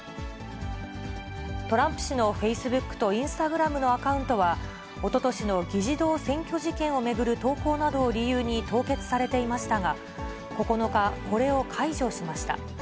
トランプ氏のフェイスブックとインスタグラムのアカウントは、おととしの議事堂占拠事件を巡る投稿などを理由に凍結されていましたが、９日、これを解除しました。